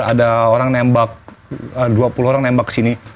ada orang nembak dua puluh orang nembak kesini